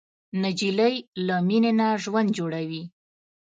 نجلۍ له مینې نه ژوند جوړوي.